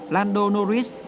lando norris trở lại